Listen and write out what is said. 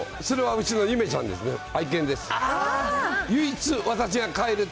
それはうちのゆめちゃんですね。